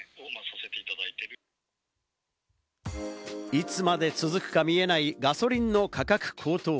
いつまで続くか見えないガソリンの価格高騰。